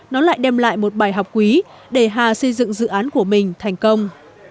nó lại đem lại một bài học quý để hà xây dựng dự án của mình thành công